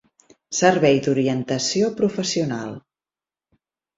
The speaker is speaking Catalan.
Servei d'orientació professional